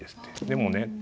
でもね